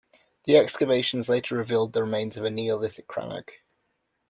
The excavations later revealed the remains of a Neolithic crannog.